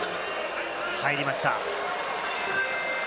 入りました。